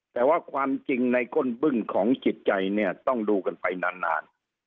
แต่ว่าความจริงในก้นบึ้งของจิตใจเนี่ยต้องดูกันไปนาน